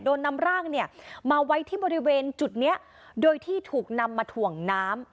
นำร่างเนี่ยมาไว้ที่บริเวณจุดนี้โดยที่ถูกนำมาถ่วงน้ำ